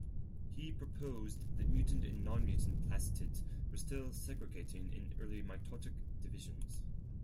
He proposed that mutant and non-mutant plastids were still segregating in early mitotic divisions.